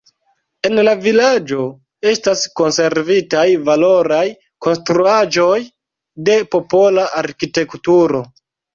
En la vilaĝo estas konservitaj valoraj konstruaĵoj de popola arkitekturo.